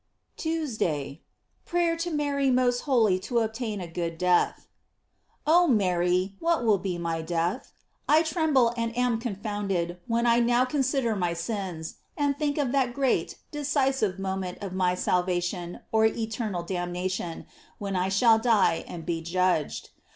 TUESDAY. Prayer to Mary most holy to obtain a good death. OH Mary, what will be my death? I tremble and am confounded when I now consider my sins, and think of that great, decisive moment of my salvation or eternal damnation, when I shall die and be judged.